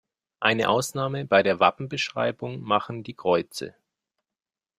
Eine Ausnahme bei der Wappenbeschreibung machen die Kreuze.